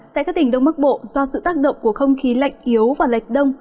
tại các tỉnh đông bắc bộ do sự tác động của không khí lạnh yếu và lệch đông